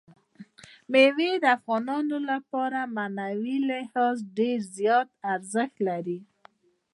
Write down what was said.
مېوې د افغانانو لپاره په معنوي لحاظ ډېر زیات ارزښت لري.